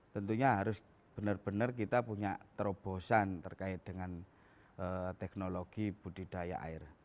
tentunya harus benar benar kita punya terobosan terkait dengan teknologi budidaya air